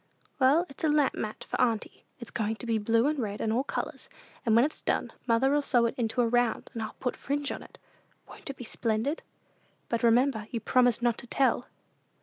"Well, it's a lamp mat for auntie. It's going to be blue, and red, and all colors; and when it's done, mother'll sew it into a round, and put fringe on: won't it be splendid? But remember, you promised not to tell!"